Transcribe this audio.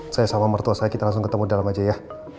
saya sama mertua saya kita langsung ketemu dalam aja ya